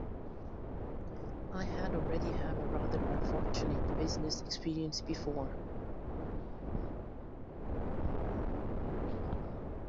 I had already had a rather unfortunate business experience before.